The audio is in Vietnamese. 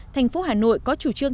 thành phố hà nội có chủ trương